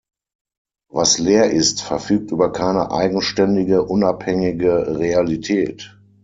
Was leer ist, verfügt über keine eigenständige, unabhängige Realität.